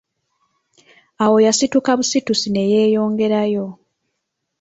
Awo yasituka busitusi ne yeeyongerayo.